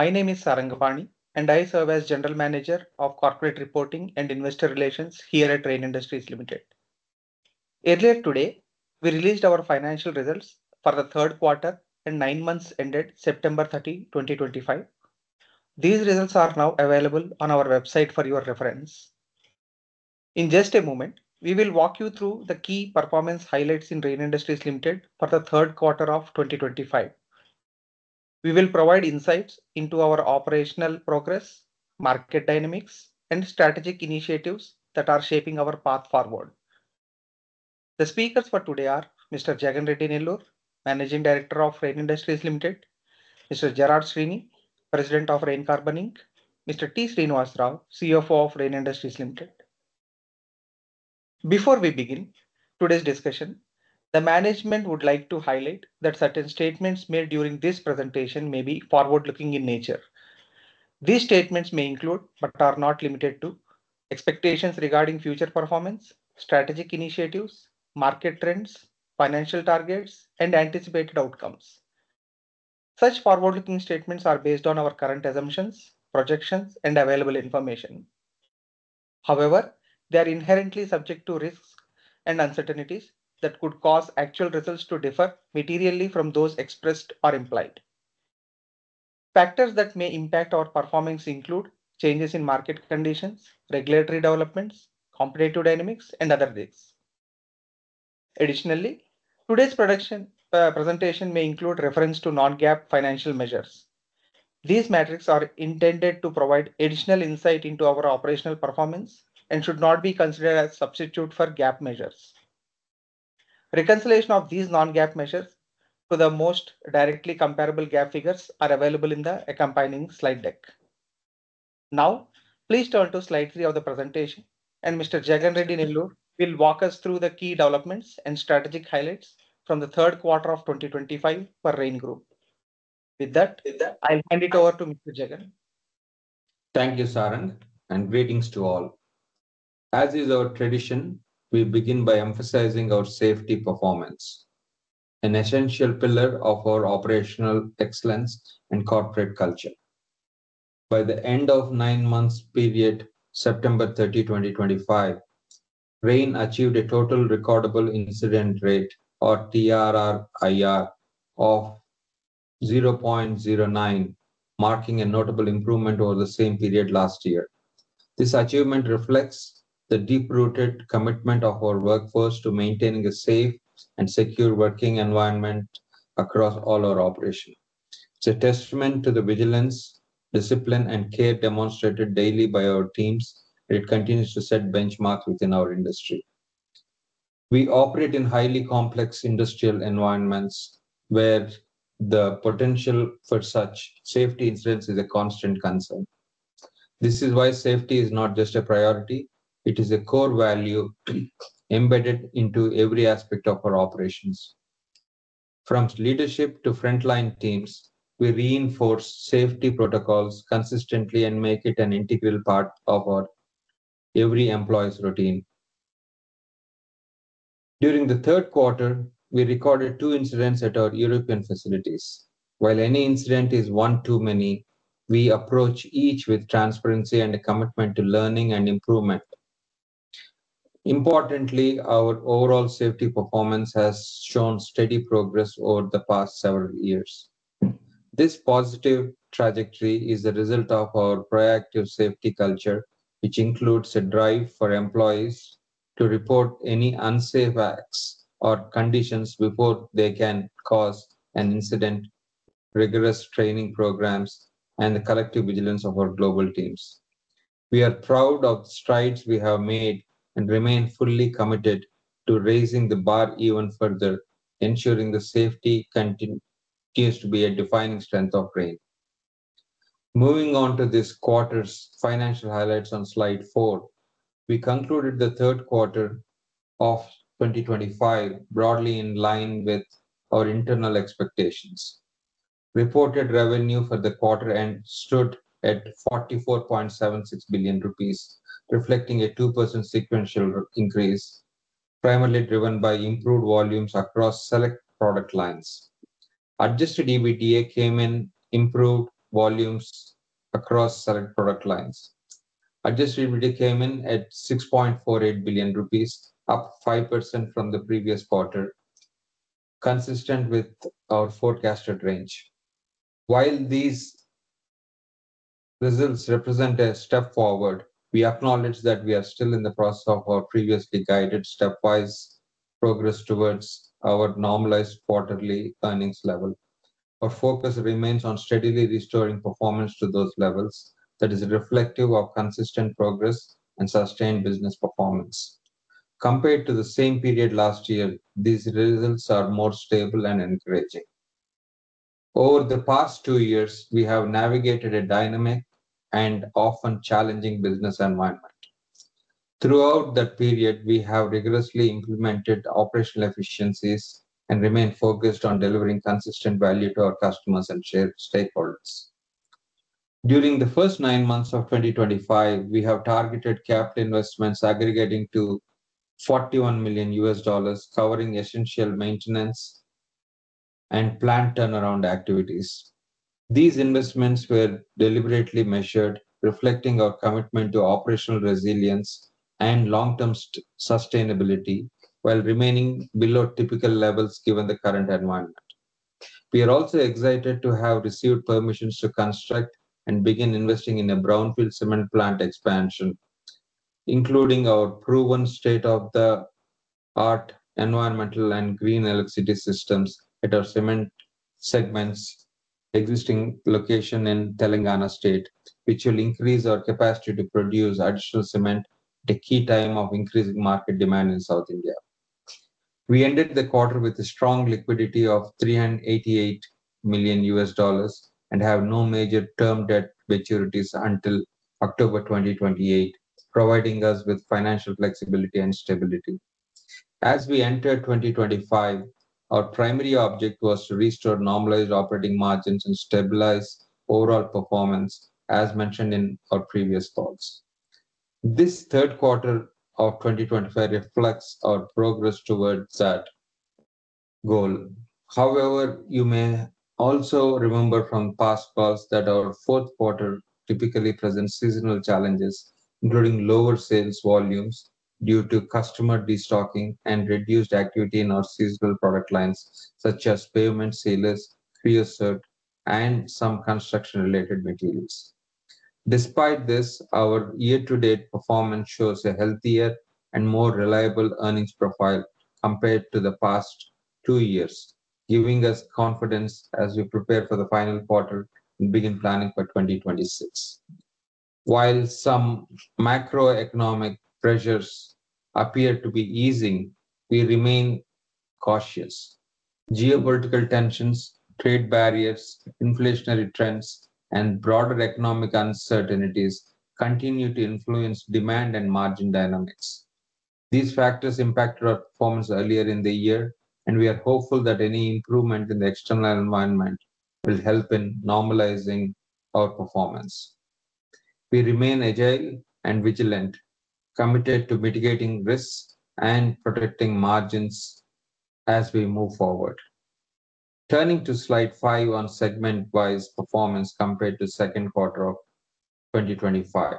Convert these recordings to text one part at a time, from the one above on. My name is Saranga Pani, and I serve as General Manager of Corporate Reporting and Investor Relations here at Rain Industries Limited. Earlier today, we released our financial results for the third quarter and nine months ended September 30, 2025. These results are now available on our website for your reference. In just a moment, we will walk you through the key performance highlights in Rain Industries Limited for the third quarter of 2025. We will provide insights into our operational progress, market dynamics, and strategic initiatives that are shaping our path forward. The speakers for today are Mr. Jagan Reddy Nellore, Managing Director of Rain Industries Limited, Mr. Gerard Sweeney, President of Rain Carbon Inc., Mr. T. Srinivasa Rao, CFO of Rain Industries Limited. Before we begin today's discussion, the management would like to highlight that certain statements made during this presentation may be forward-looking in nature. These statements may include, but are not limited to, expectations regarding future performance, strategic initiatives, market trends, financial targets, and anticipated outcomes. Such forward-looking statements are based on our current assumptions, projections, and available information. They are inherently subject to risks and uncertainties that could cause actual results to differ materially from those expressed or implied. Factors that may impact our performance include changes in market conditions, regulatory developments, competitive dynamics, and other risks. Additionally, today's production presentation may include reference to non-GAAP financial measures. These metrics are intended to provide additional insight into our operational performance and should not be considered as substitute for GAAP measures. Reconciliation of these non-GAAP measures to the most directly comparable GAAP figures are available in the accompanying slide deck. Now please turn to slide three of the presentation. Mr. Jagan Reddy Nellore will walk us through the key developments and strategic highlights from the third quarter of 2025 for Rain Group. With that, I'll hand it over to Mr. Jagan. Thank you, Saranga, and greetings to all. As is our tradition, we begin by emphasizing our safety performance, an essential pillar of our operational excellence and corporate culture. By the end of nine months period September 30, 2025, Rain achieved a Total Recordable Incident Rate, or TRIR, of 0.09, marking a notable improvement over the same period last year. This achievement reflects the deep-rooted commitment of our workforce to maintaining a safe and secure working environment across all our operations. It's a testament to the vigilance, discipline, and care demonstrated daily by our teams, and it continues to set benchmarks within our industry. We operate in highly complex industrial environments where the potential for such safety incidents is a constant concern. This is why safety is not just a priority, it is a core value embedded into every aspect of our operations. From leadership to frontline teams, we reinforce safety protocols consistently and make it an integral part of our every employee's routine. During the third quarter, we recorded two incidents at our European facilities. While any incident is one too many, we approach each with transparency and a commitment to learning and improvement. Importantly, our overall safety performance has shown steady progress over the past several years. This positive trajectory is a result of our proactive safety culture, which includes a drive for employees to report any unsafe acts or conditions before they can cause an incident, rigorous training programs, and the collective vigilance of our global teams. We are proud of the strides we have made and remain fully committed to raising the bar even further, ensuring that safety continues to be a defining strength of Rain. Moving on to this quarter's financial highlights on slide four, we concluded the third quarter of 2025 broadly in line with our internal expectations. Reported revenue for the quarter end stood at 44.76 billion rupees, reflecting a 2% sequential increase, primarily driven by improved volumes across select product lines. Adjusted EBITDA came in at 6.48 billion rupees, up 5% from the previous quarter, consistent with our forecasted range. While these results represent a step forward, we acknowledge that we are still in the process of our previously guided stepwise progress towards our normalized quarterly earnings level. Our focus remains on steadily restoring performance to those levels that is reflective of consistent progress and sustained business performance. Compared to the same period last year, these results are more stable and encouraging. Over the past two years, we have navigated a dynamic and often challenging business environment. Throughout that period, we have rigorously implemented operational efficiencies and remain focused on delivering consistent value to our customers and shareholders. During the first nine months of 2025, we have targeted capital investments aggregating to $41 million covering essential maintenance and plant turnaround activities. These investments were deliberately measured, reflecting our commitment to operational resilience and long-term sustainability while remaining below typical levels given the current environment. We are also excited to have received permissions to construct and begin investing in a brownfield cement segment plant expansion, including our proven state-of-the-art environmental and green electricity systems at our Cement segment's existing location in Telangana State, which will increase our capacity to produce additional cement at a key time of increasing market demand in South India. We ended the quarter with a strong liquidity of $388 million and have no major term debt maturities until October 2028, providing us with financial flexibility and stability. As we entered 2025, our primary objective was to restore normalized operating margins and stabilize overall performance, as mentioned in our previous calls. This third quarter of 2025 reflects our progress towards that goal. However, you may also remember from past calls that our fourth quarter typically presents seasonal challenges, including lower sales volumes due to customer de-stocking and reduced activity in our seasonal product lines, such as pavement sealers, creosote, and some construction-related materials. Despite this, our year-to-date performance shows a healthier and more reliable earnings profile compared to the past two years, giving us confidence as we prepare for the final quarter and begin planning for 2026. While some macroeconomic pressures appear to be easing, we remain cautious. Geopolitical tensions, trade barriers, inflationary trends, and broader economic uncertainties continue to influence demand and margin dynamics. These factors impacted our performance earlier in the year, and we are hopeful that any improvement in the external environment will help in normalizing our performance. We remain agile and vigilant, committed to mitigating risks and protecting margins as we move forward. Turning to slide five on segment-wise performance compared to second quarter of 2025.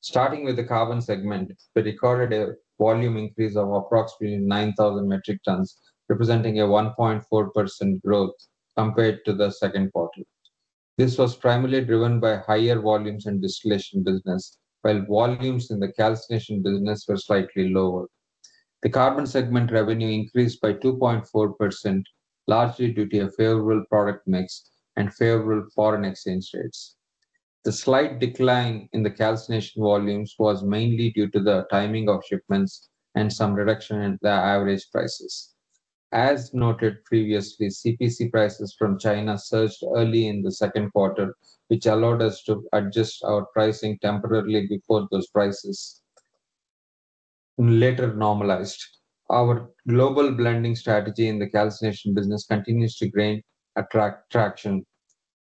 Starting with the Carbon segment, we recorded a volume increase of approximately 9,000 metric tons, representing a 1.4% growth compared to the second quarter. This was primarily driven by higher volumes in distillation business, while volumes in the calcination business were slightly lower. The Carbon segment revenue increased by 2.4%, largely due to a favorable product mix and favorable foreign exchange rates. The slight decline in the calcination volumes was mainly due to the timing of shipments and some reduction in the average prices. As noted previously, CPC prices from China surged early in the second quarter, which allowed us to adjust our pricing temporarily before those prices later normalized. Our global blending strategy in the calcination business continues to gain traction,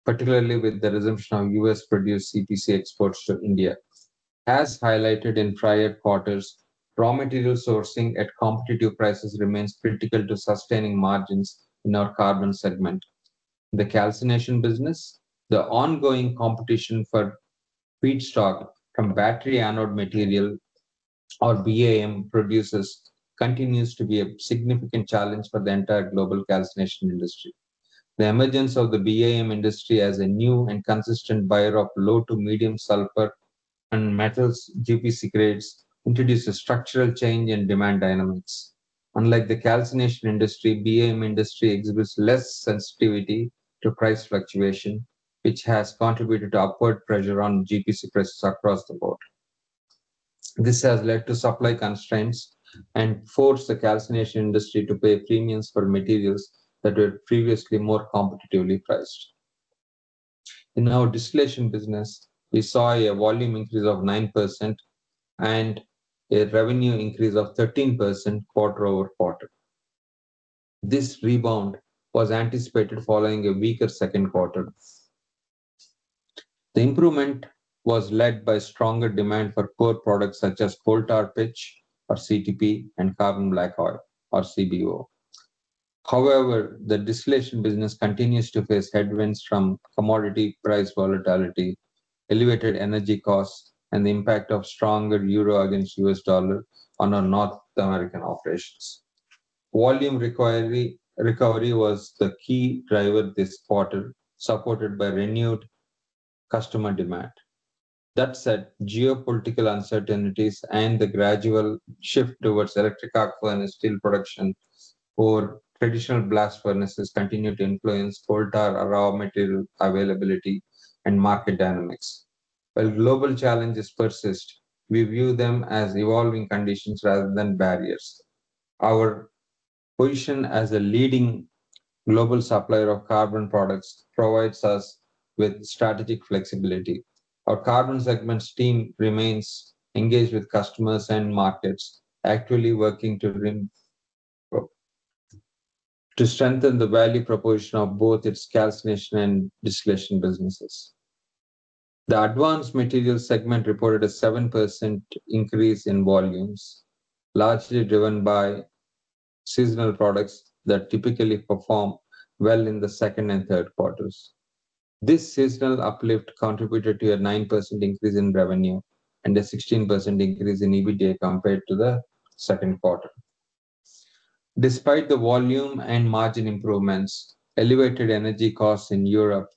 particularly with the resumption of U.S.-produced CPC exports to India. As highlighted in prior quarters, raw material sourcing at competitive prices remains critical to sustaining margins in our Carbon segment. In the calcination business, the ongoing competition for feedstock from battery anode material or BAM producers continues to be a significant challenge for the entire global calcination industry. The emergence of the BAM industry as a new and consistent buyer of low to medium sulfur and metals GPC grades introduced a structural change in demand dynamics. Unlike the calcination industry, BAM industry exhibits less sensitivity to price fluctuation, which has contributed to upward pressure on GPC prices across the board. This has led to supply constraints and forced the calcination industry to pay premiums for materials that were previously more competitively priced. In our distillation business, we saw a volume increase of 9% and a revenue increase of 13% quarter-over-quarter. This rebound was anticipated following a weaker second quarter. The improvement was led by stronger demand for core products such as Coal Tar Pitch or CTP and Carbon Black Oil or CBO. However the distillation business continues to face headwinds from commodity price volatility, elevated energy costs, and the impact of stronger euro against U.S. dollar on our North American operations. Volume recovery was the key driver this quarter, supported by renewed customer demand. Geopolitical uncertainties and the gradual shift towards Electric Arc Furnace steel production over traditional blast furnaces continue to influence coal tar or raw material availability and market dynamics. Global challenges persist, we view them as evolving conditions rather than barriers. Our position as a leading global supplier of carbon products provides us with strategic flexibility. Our Carbon segment's team remains engaged with customers and markets, actively working to strengthen the value proportion of both its calcination and distillation businesses. The Advanced Materials segment reported a 7% increase in volumes, largely driven by seasonal products that typically perform well in the second and third quarters. This seasonal uplift contributed to a 9% increase in revenue and a 16% increase in EBITDA compared to the second quarter. Despite the volume and margin improvements, elevated energy costs in Europe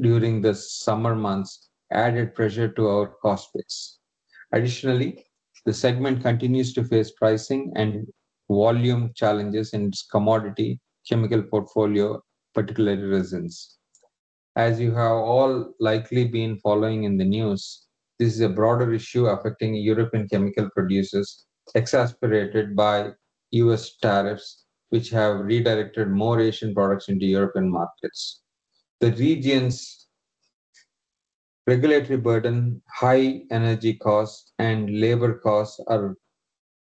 during the summer months added pressure to our cost base. Additionally, the segment continues to face pricing and volume challenges in its commodity chemical portfolio, particularly resins. As you have all likely been following in the news, this is a broader issue affecting European chemical producers, exacerbated by U.S. tariffs, which have redirected more Asian products into European markets. The region's regulatory burden, high energy costs, and labor costs are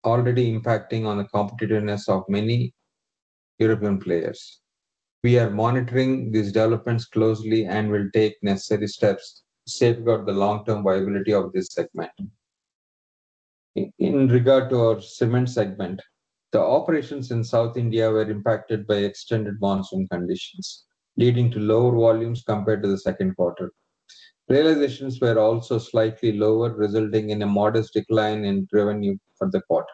already impacting on the competitiveness of many European players. We are monitoring these developments closely and will take necessary steps to safeguard the long-term viability of this segment. In regard to our Cement segment, the operations in South India were impacted by extended monsoon conditions, leading to lower volumes compared to the second quarter. Realizations were also slightly lower, resulting in a modest decline in revenue for the quarter.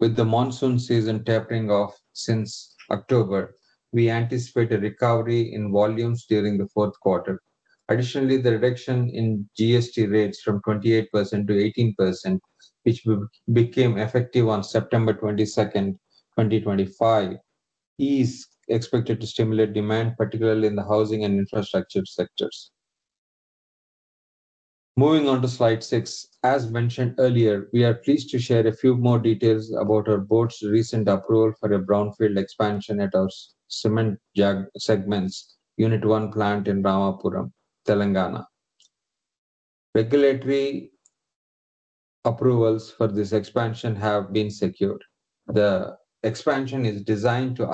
With the monsoon season tapering off since October, we anticipate a recovery in volumes during the fourth quarter. The reduction in GST rates from 28% to 18%, which became effective on September 22nd, 2025, is expected to stimulate demand, particularly in the housing and infrastructure sectors. Moving on to slide six. As mentioned earlier, we are pleased to share a few more details about our board's recent approval for a brownfield expansion at our Cement segment's Unit 1 plant in Ramapuram, Telangana. Regulatory approvals for this expansion have been secured. The expansion is designed to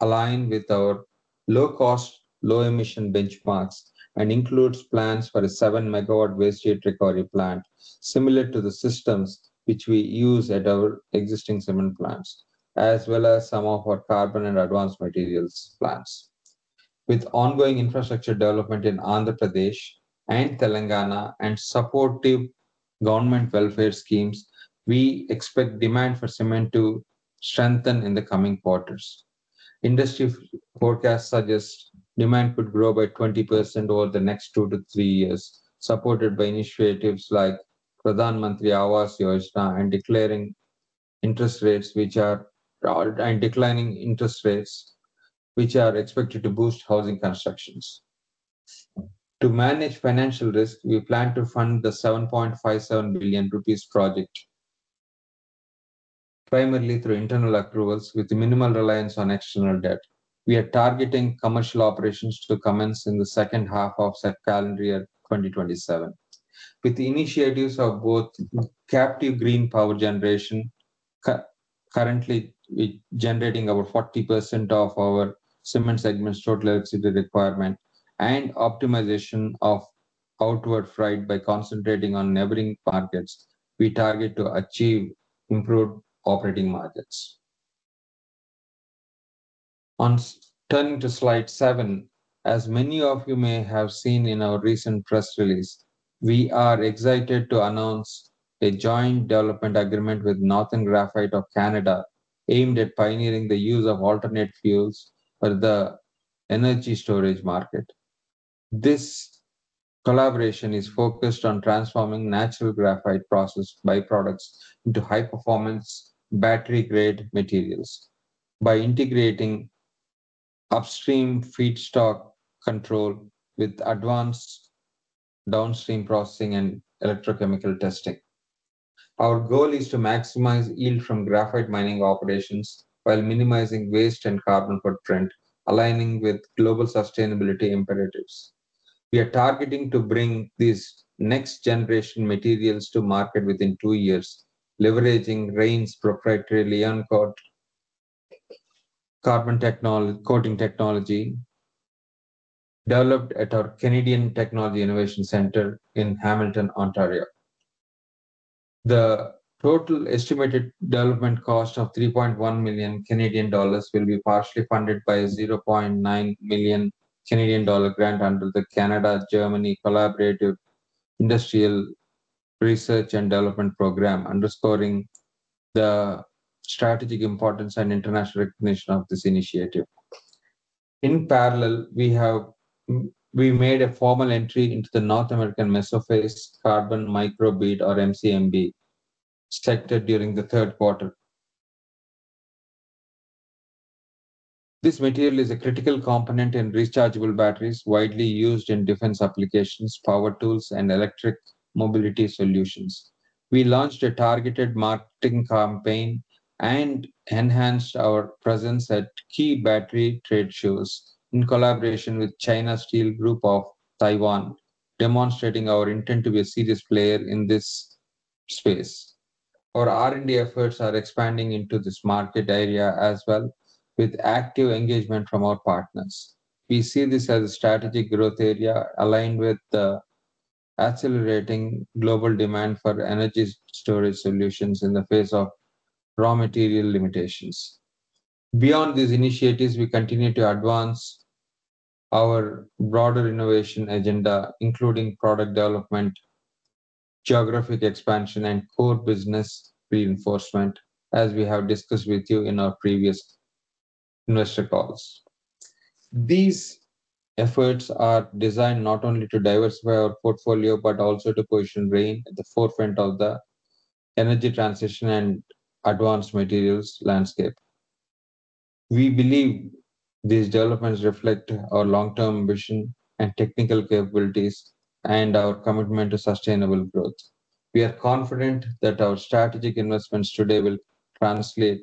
align with our low cost, low emission benchmarks and includes plans for a 7 MW waste heat recovery plant, similar to the systems which we use at our existing cement plants, as well as some of our carbon and Advanced Materials plants. With ongoing infrastructure development in Andhra Pradesh and Telangana and supportive government welfare schemes, we expect demand for cement to strengthen in the coming quarters. Industry forecasts suggest demand could grow by 20% over the next two to three years, supported by initiatives like Pradhan Mantri Awas Yojana and declining interest rates which are expected to boost housing constructions. To manage financial risk, we plan to fund the 7.57 billion rupees project primarily through internal accruals with minimal reliance on external debt. We are targeting commercial operations to commence in the second half of calendar year 2027. With initiatives of both captive green power generation currently generating over 40% of our Cement segment's total electricity requirement and optimization of outward freight by concentrating on neighboring markets, we target to achieve improved operating margins. Turning to slide seven, as many of you may have seen in our recent press release, we are excited to announce a joint development agreement with Northern Graphite of Canada, aimed at pioneering the use of alternate fuels for the energy storage market. This collaboration is focused on transforming natural graphite process byproducts into high-performance battery-grade materials by integrating upstream feedstock control with advanced downstream processing and electrochemical testing. Our goal is to maximize yield from graphite mining operations while minimizing waste and carbon footprint, aligning with global sustainability imperatives. We are targeting to bring these next generation materials to market within two years, leveraging Rain's proprietary LIONCOAT carbon coating technology developed at our Canadian Technology Innovation Center in Hamilton, Ontario. The total estimated development cost of 3.1 million Canadian dollars will be partially funded by a 0.9 million Canadian dollar grant under the Canada-Germany Collaborative Industrial Research and Development Program, underscoring the strategic importance and international recognition of this initiative. In parallel, we made a formal entry into the North American Meso-phase Carbon Microbead or MCMB sector during the third quarter. This material is a critical component in rechargeable batteries, widely used in defense applications, power tools, and electric mobility solutions. We launched a targeted marketing campaign and enhanced our presence at key battery trade shows in collaboration with China Steel Group of Taiwan. Demonstrating our intent to be a serious player in this space. Our R&D efforts are expanding into this market area as well, with active engagement from our partners. We see this as a strategic growth area aligned with the accelerating global demand for energy storage solutions in the face of raw material limitations. Beyond these initiatives, we continue to advance our broader innovation agenda, including product development, geographic expansion, and core business reinforcement, as we have discussed with you in our previous investor calls. These efforts are designed not only to diversify our portfolio, but also to position Rain at the forefront of the energy transition and Advanced Materials landscape. We believe these developments reflect our long-term vision and technical capabilities and our commitment to sustainable growth. We are confident that our strategic investments today will translate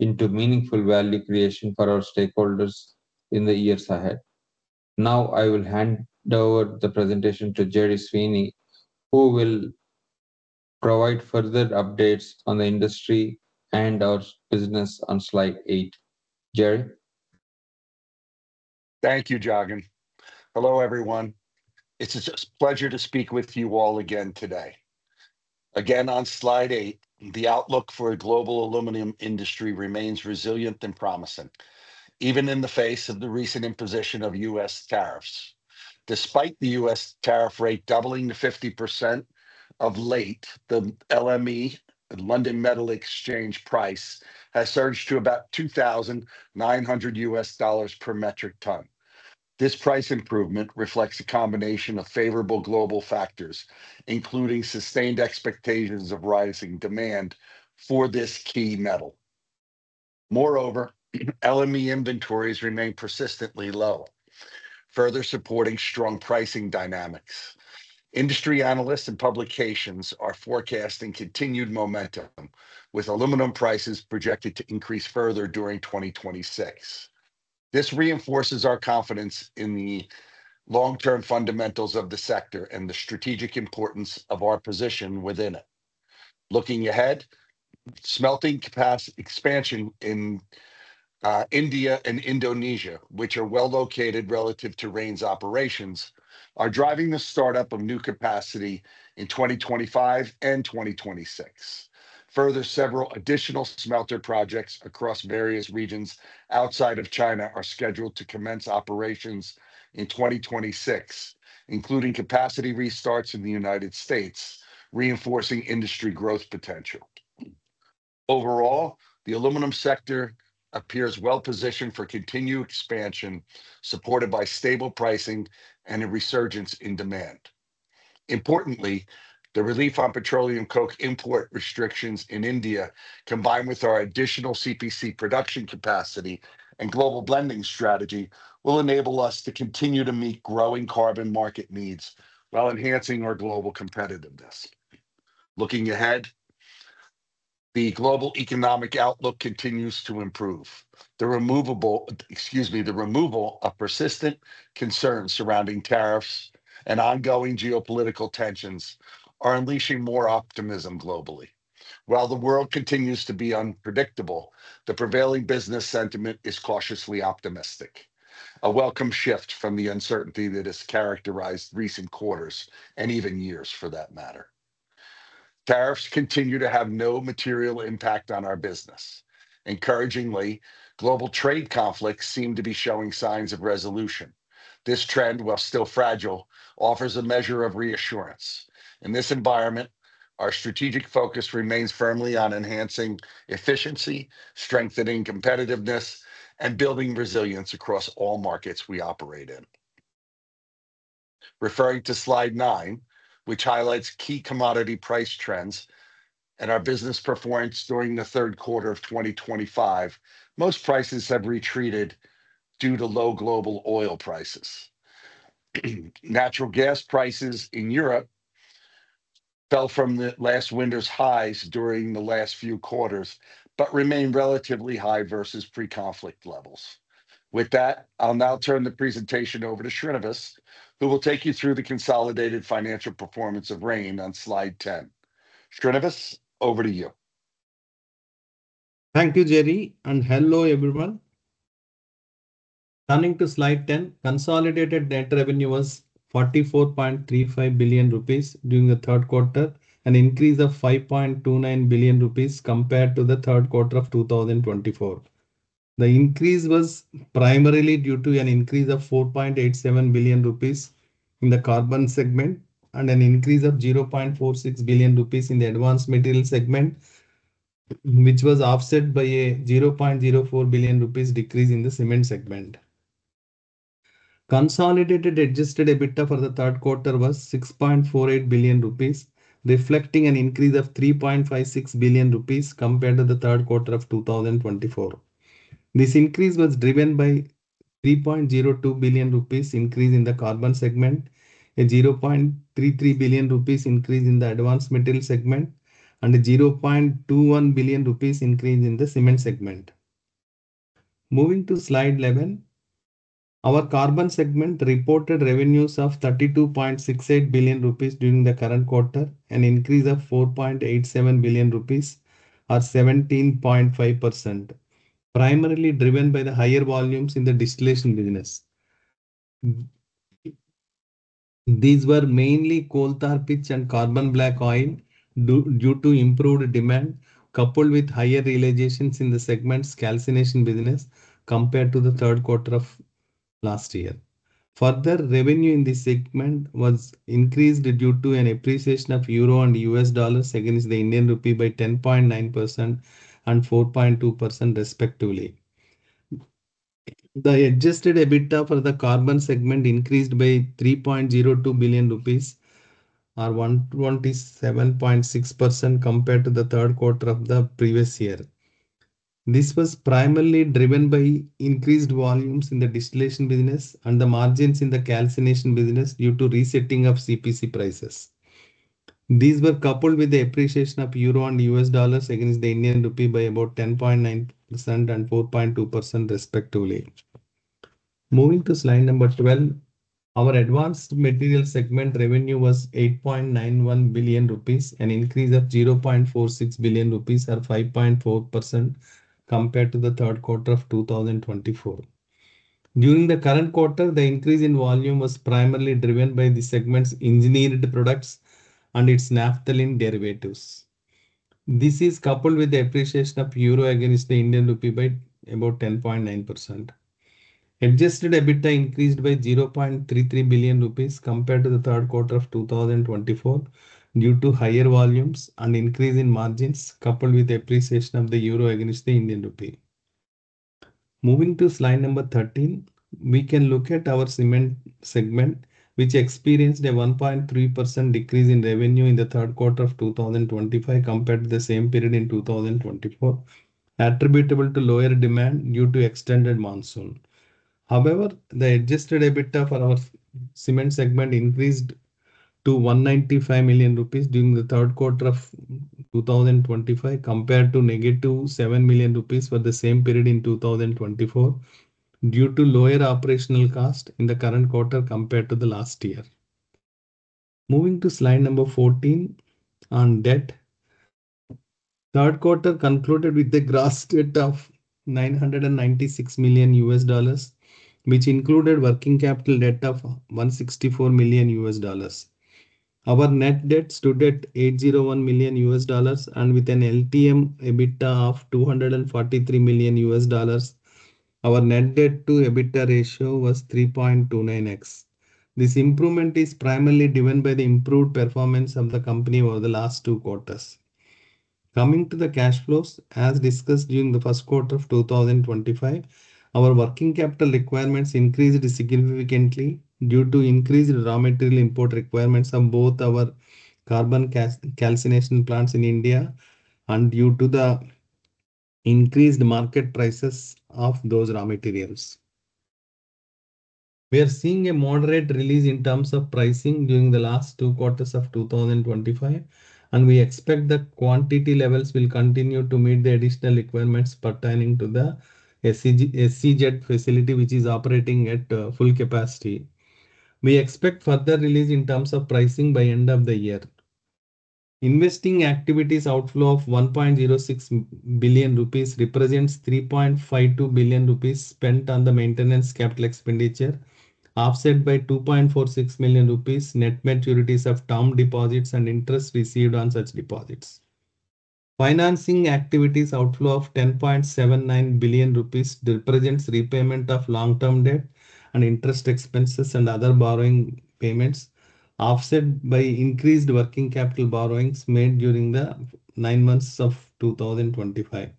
into meaningful value creation for our stakeholders in the years ahead. Now I will hand over the presentation to Gerry Sweeney, who will provide further updates on the industry and our business on slide eight. Gerry. Thank you, Jagan. Hello, everyone. It's a pleasure to speak with you all again today. Again, on slide eight, the outlook for a global aluminum industry remains resilient and promising, even in the face of the recent imposition of U.S. tariffs. Despite the U.S. tariff rate doubling to 50% of late, the LME, the London Metal Exchange price, has surged to about $2,900 per metric ton. This price improvement reflects a combination of favorable global factors, including sustained expectations of rising demand for this key metal. Moreover, LME inventories remain persistently low, further supporting strong pricing dynamics. Industry analysts and publications are forecasting continued momentum, with aluminum prices projected to increase further during 2026. This reinforces our confidence in the long-term fundamentals of the sector and the strategic importance of our position within it. Looking ahead, smelting expansion in India and Indonesia, which are well located relative to Rain's operations, are driving the startup of new capacity in 2025 and 2026. Further, several additional smelter projects across various regions outside of China are scheduled to commence operations in 2026, including capacity restarts in the U.S., reinforcing industry growth potential. Overall, the aluminum sector appears well-positioned for continued expansion, supported by stable pricing and a resurgence in demand. Importantly, the relief on petroleum coke import restrictions in India, combined with our additional CPC production capacity and global blending strategy, will enable us to continue to meet growing Carbon market needs while enhancing our global competitiveness. Looking ahead, the global economic outlook continues to improve. Excuse me, the removal of persistent concerns surrounding tariffs and ongoing geopolitical tensions are unleashing more optimism globally. While the world continues to be unpredictable, the prevailing business sentiment is cautiously optimistic, a welcome shift from the uncertainty that has characterized recent quarters and even years, for that matter. Tariffs continue to have no material impact on our business. Encouragingly, global trade conflicts seem to be showing signs of resolution. This trend, while still fragile, offers a measure of reassurance. In this environment, our strategic focus remains firmly on enhancing efficiency, strengthening competitiveness, and building resilience across all markets we operate in. Referring to slide nine, which highlights key commodity price trends and our business performance during the third quarter of 2025, most prices have retreated due to low global oil prices. Natural gas prices in Europe fell from the last winter's highs during the last few quarters but remain relatively high versus pre-conflict levels. With that, I'll now turn the presentation over to Srinivas, who will take you through the consolidated financial performance of Rain on slide 10. Srinivas, over to you. Thank you, Gerry, and hello, everyone. Turning to slide 10, consolidated net revenue was 44.35 billion rupees during the third quarter, an increase of 5.29 billion rupees compared to the third quarter of 2024. The increase was primarily due to an increase of 4.87 billion rupees in the Carbon segment and an increase of 0.46 billion rupees in the Advanced Materials segment, which was offset by a 0.04 billion rupees decrease in the Cement segment. Consolidated adjusted EBITDA for the third quarter was 6.48 billion rupees, reflecting an increase of 3.56 billion rupees compared to the third quarter of 2024. This increase was driven by 3.02 billion rupees increase in the Carbon segment, a 0.33 billion rupees increase in the Advanced Materials segment, and a 0.21 billion rupees increase in the Cement segment. Moving to slide 11, our Carbon segment reported revenues of 32.68 billion rupees during the current quarter, an increase of 4.87 billion rupees, or 17.5%, primarily driven by the higher volumes in the distillation business. These were mainly Coal Tar Pitch and Carbon Black Oil due to improved demand, coupled with higher realizations in the segment's calcination business compared to the third quarter of last year. Further, revenue in this segment was increased due to an appreciation of euro and U.S. dollar against the Indian rupee by 10.9% and 4.2% respectively. The adjusted EBITDA for the Carbon segment increased by 3.02 billion rupees, or 127.6% compared to the third quarter of the previous year. This was primarily driven by increased volumes in the distillation business and the margins in the calcination business due to resetting of CPC prices. These were coupled with the appreciation of euro and U.S. dollars against the Indian rupee by about 10.9% and 4.2% respectively. Moving to slide number 12, our Advanced Materials segment revenue was 8.91 billion rupees, an increase of 0.46 billion rupees, or 5.4% compared to the third quarter of 2024. During the current quarter, the increase in volume was primarily driven by the segment's engineered products and its naphthalene derivatives. This is coupled with the appreciation of EUR against the Indian rupee by about 10.9%. Adjusted EBITDA increased by 0.33 billion rupees compared to the third quarter of 2024 due to higher volumes and increase in margins, coupled with appreciation of the euro against the Indian rupee. On slide number 13, we can look at our Cement segment, which experienced a 1.3% decrease in revenue in the third quarter of 2025 compared to the same period in 2024, attributable to lower demand due to extended monsoon. The adjusted EBITDA for our Cement segment increased to 195 million rupees during the third quarter of 2025 compared to -7 million rupees for the same period in 2024 due to lower operational cost in the current quarter compared to the last year. On slide number 14 on debt. Third quarter concluded with a gross debt of $996 million, which included working capital debt of $164 million. Our net debt stood at $801 million, and with an LTM EBITDA of $243 million, our net debt to EBITDA ratio was 3.29x. This improvement is primarily driven by the improved performance of the company over the last two quarters. Coming to the cash flows. As discussed during the first quarter of 2025, our working capital requirements increased significantly due to increased raw material import requirements on both our carbon calcination plants in India and due to the increased market prices of those raw materials. We are seeing a moderate release in terms of pricing during the last two quarters of 2025. We expect that quantity levels will continue to meet the additional requirements pertaining to the SEZ facility which is operating at full capacity. We expect further release in terms of pricing by end of the year. Investing activities outflow of 1.06 billion rupees represents 3.52 billion rupees spent on the maintenance capital expenditure, offset by 2.46 million rupees net maturities of term deposits and interest received on such deposits. Financing activities outflow of 10.79 billion rupees represents repayment of long-term debt and interest expenses and other borrowing payments, offset by increased working capital borrowings made during the nine months of 2025.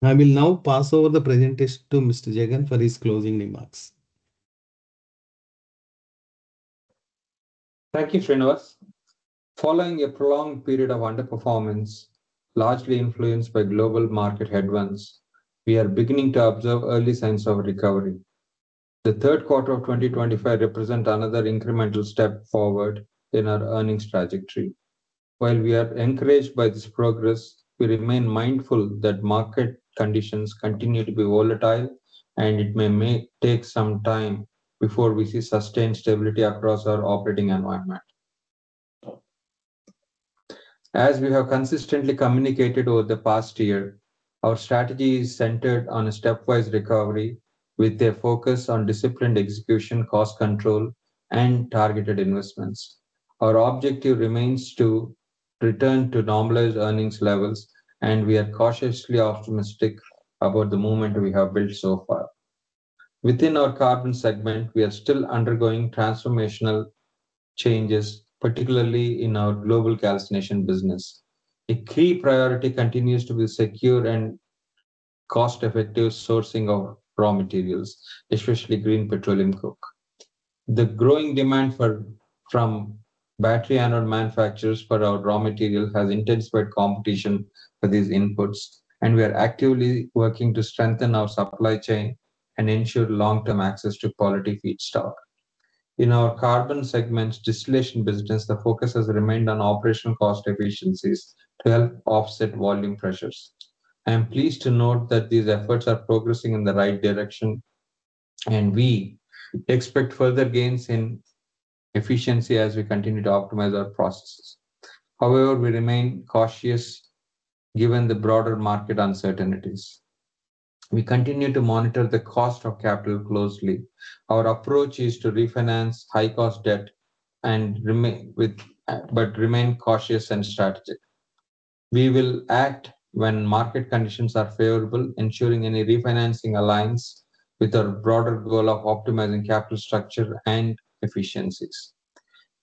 I will now pass over the presentation to Mr. Jagan for his closing remarks. Thank you, Srinivas. Following a prolonged period of underperformance, largely influenced by global market headwinds, we are beginning to observe early signs of recovery. The third quarter of 2025 represent another incremental step forward in our earnings trajectory. While we are encouraged by this progress, we remain mindful that market conditions continue to be volatile, and it may take some time before we see sustained stability across our operating environment. As we have consistently communicated over the past year, our strategy is centered on a stepwise recovery with a focus on disciplined execution, cost control, and targeted investments. Our objective remains to return to normalized earnings levels, and we are cautiously optimistic about the moment we have built so far. Within our Carbon segment, we are still undergoing transformational changes, particularly in our global calcination business. A key priority continues to be secure and cost-effective sourcing of raw materials, especially green petroleum coke. The growing demand from battery anode manufacturers for our raw material has intensified competition for these inputs, and we are actively working to strengthen our supply chain and ensure long-term access to quality feedstock. In our Carbon segment's distillation business, the focus has remained on operational cost efficiencies to help offset volume pressures. I am pleased to note that these efforts are progressing in the right direction, and we expect further gains in efficiency as we continue to optimize our processes. However, we remain cautious given the broader market uncertainties. We continue to monitor the cost of capital closely. Our approach is to refinance high-cost debt and remain cautious and strategic. We will act when market conditions are favorable, ensuring any refinancing aligns with our broader goal of optimizing capital structure and efficiencies.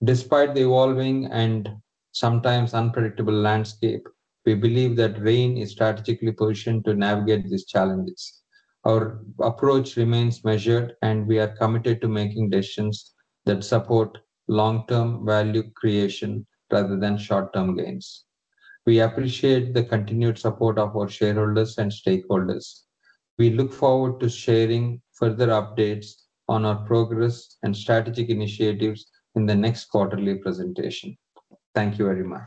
Despite the evolving and sometimes unpredictable landscape, we believe that Rain is strategically positioned to navigate these challenges. Our approach remains measured, and we are committed to making decisions that support long-term value creation rather than short-term gains. We appreciate the continued support of our shareholders and stakeholders. We look forward to sharing further updates on our progress and strategic initiatives in the next quarterly presentation. Thank you very much.